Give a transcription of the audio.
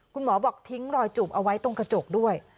คุณหมอบอกทิ้งรอยจูบเอาไว้ตรงกระจกด้วย